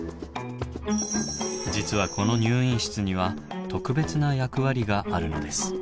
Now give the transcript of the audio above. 実はこの入院室には特別な役割があるのです。